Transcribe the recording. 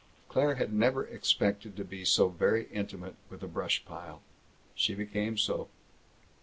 Claire had never expected to be so very intimate with a brush pile. She became so.